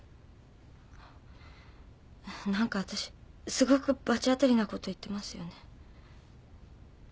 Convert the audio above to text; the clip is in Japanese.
何かわたしすごく罰当たりなこと言ってますよね。